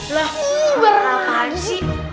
lah berapaan sih